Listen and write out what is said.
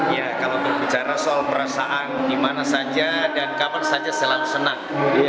ya kalau berbicara soal perasaan dimana saja dan kapan saja selalu senang